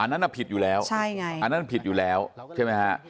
อันนั้นน่ะผิดอยู่แล้วใช่ไงอันนั้นผิดอยู่แล้วใช่ไหมฮะ